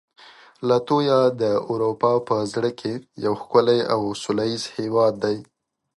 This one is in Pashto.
لاتویا د اروپا په زړه کې یو ښکلی او سولهییز هېواد دی.